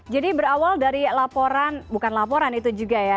berawal dari laporan bukan laporan itu juga ya